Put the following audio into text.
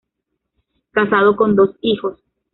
Casado con dos hijos.